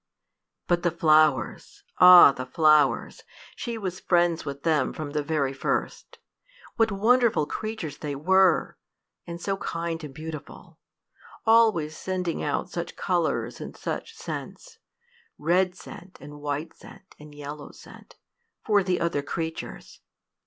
But the flowers! ah, the flowers! she was friends with them from the very first. What wonderful creatures they were! and so kind and beautiful always sending out such colors and such scents red scent, and white scent, and yellow scent for the other creatures!